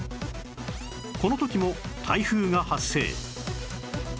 この時も台風が発生